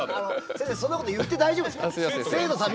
先生そんなこと言って大丈夫ですか？